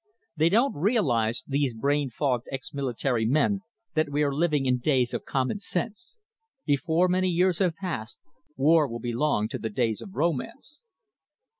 They don't realise, these brain fogged ex military men, that we are living in days of common sense. Before many years have passed, war will belong to the days of romance."